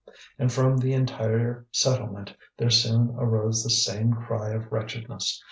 And from the entire settlement there soon arose the same cry of wretchedness.